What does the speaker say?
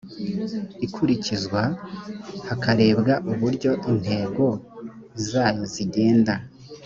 ikurikizwa hakarebwa uburyo intego zayo zigenda